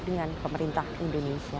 dengan pemerintah indonesia